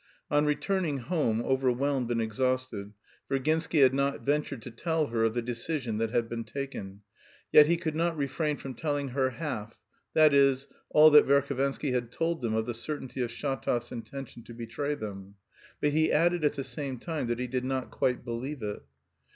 On returning home overwhelmed and exhausted, Virginsky had not ventured to tell her of the decision that had been taken, yet he could not refrain from telling her half that is, all that Verhovensky had told them of the certainty of Shatov's intention to betray them; but he added at the same time that he did not quite believe it.